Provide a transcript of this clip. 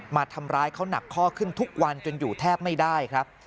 มาทำร้ายเขาหนักข้อขึ้นทุกวันจนอยู่แทบไม่ได้ครับ